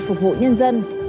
phục vụ nhân dân